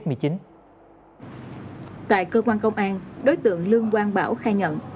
tại cơ quan công an đối tượng lương quang bảo khai nhận